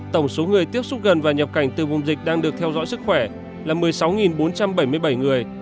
tổng số người tiếp xúc gần và nhập cảnh từ vùng dịch đang được theo dõi sức khỏe là một mươi sáu bốn trăm bảy mươi bảy người